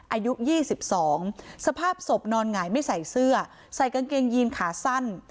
อายุ๒๒สภาพศพนอนหงายไม่ใส่เสื้อใส่กางเกงยีนขาสั้น